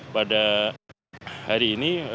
pada hari ini